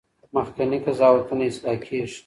مخکني قضاوتونه اصلاح کیږي.